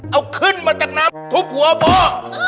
เอาขึ้นมาจากน้ำทุบหัวพ่อ